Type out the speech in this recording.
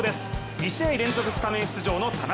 ２試合連続スタメン出場の田中。